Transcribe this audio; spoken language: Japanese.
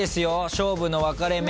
勝負の分かれ目。